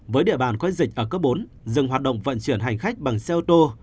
với địa bàn có dịch ở cấp bốn dừng hoạt động vận chuyển hành khách bằng xe ô tô